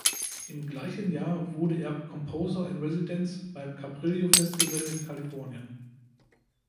Im gleichen Jahr wurde er „Composer in residence“ beim Cabrillo Festival in Kalifornien.